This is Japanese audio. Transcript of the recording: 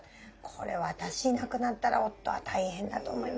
これ私いなくなったら夫は大変だと思いますよ。